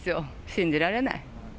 信じられない。